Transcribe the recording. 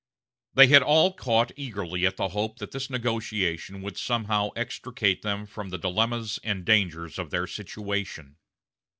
They had all caught eagerly at the hope that this negotiation would somehow extricate them from the dilemmas and dangers of their situation.